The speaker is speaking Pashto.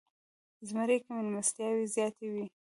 زمری کې میلمستیاوې زیاتې وي.